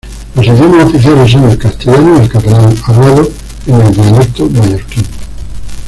Los idiomas oficiales son el castellano y el catalán, hablado en el dialecto mallorquín.